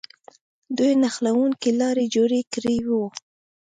دوی نښلوونکې لارې جوړې کړې وې.